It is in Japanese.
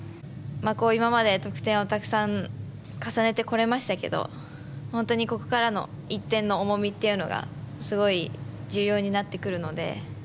今まで、得点をたくさん重ねてこれましたけど本当に、ここからの１点の重みっていうのがすごい重要になってくるので。